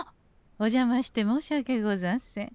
おじゃまして申し訳ござんせん。